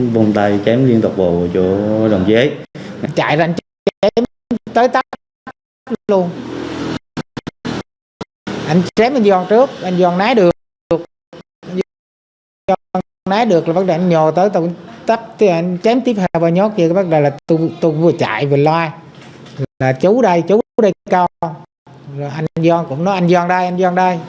bắt đầu anh nhò tới tập chém tiếp vào nhóm kia bắt đầu tôi vừa chạy vừa loa là chú đây chú đây con anh doan cũng nói anh doan đây anh doan đây